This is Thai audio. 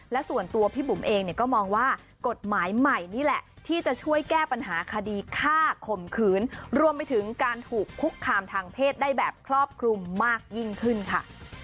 และส่วนตัวพี่บุ๋มเองเนี่ยก็มองว่ากฎหมายใหม่นี่แหละที่จะช่วยแก้ปัญหาคดีฆ่าข่มขืนรวมไปถึงการถูกคุกคามทางเพศได้แบบครอบคลุมมากยิ่งขึ้นค่ะ